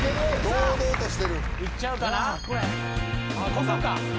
ここか。